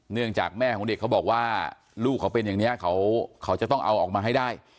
เนื่องจากแม่ของเด็กเขาบอกว่าลูกเขาเป็นอย่างนี้เขาจะต้องเอาออกมาให้ได้